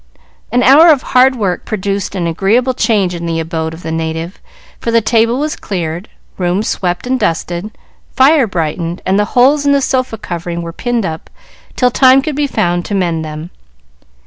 An hour of hard work produced an agreeable change in the abode of the native, for the table was cleared, room swept and dusted, fire brightened, and the holes in the sofa covering were pinned up till time could be found to mend them.